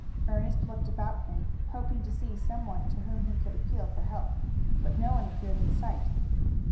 Ernest looked about him, hoping to see some one to whom he could appeal for help, but no one appeared in sight.